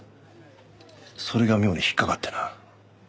それが妙に引っかかってな。